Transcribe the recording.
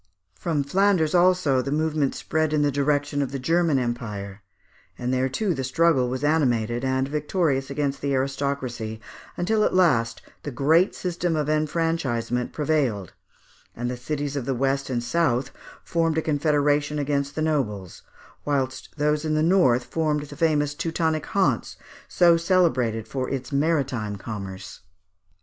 From Flanders, also, the movement spread in the direction of the German Empire; and there, too, the struggle was animated, and victorious against the aristocracy, until at last the great system of enfranchisement prevailed; and the cities of the west and south formed a confederation against the nobles, whilst those in the north formed the famous Teutonic Hanse, so celebrated for its maritime commerce.